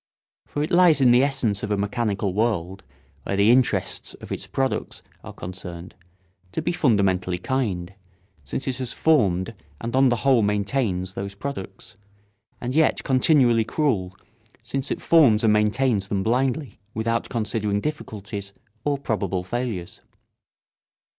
For it lies in the essence of a mechanical world, where the interests of its products are concerned, to be fundamentally kind, since it has formed and on the whole maintains those products, and yet continually cruel, since it forms and maintains them blindly, without considering difficulties or probable failures.